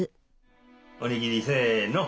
おにぎりせの！